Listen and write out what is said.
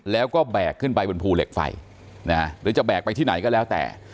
แล้วก็แบกขึ้นไปบนภูเหล็กไฟหรือจะแบกไปที่ไหนก็แล้วแต่